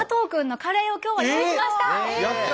やった！